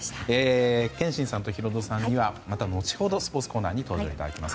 憲伸さんとヒロドさんにはまた後ほどスポーツコーナーに登場いただきます。